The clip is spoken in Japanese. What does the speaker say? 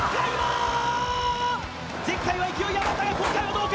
前回は勢いがあったが今回はどうか？